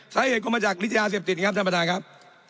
สาเหตุก็มาจากฤทธยาเสพติดครับท่านประธานครับ